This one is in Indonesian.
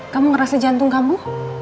kamu ngerasa jantung kamu